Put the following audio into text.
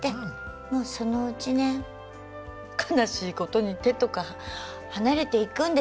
もうそのうちね悲しいことに手とか離れていくんですよ